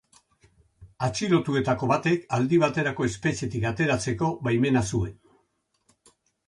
Atxilotuetako batek aldi baterako espetxetik ateratzeko baimena zuen.